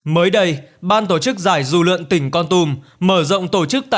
mới đây ban tổ chức giải du lượng tỉnh con tùm mở rộng tổ chức tài liệu